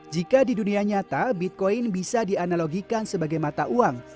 jika di dunia nyata bitcoin bisa dianalogikan sebagai mata uang